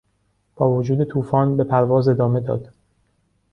با وجود طوفان به پرواز ادامه داد.